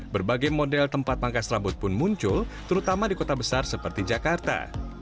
berbagai model tempat pangkas rambut pun muncul terutama di kota besar seperti jakarta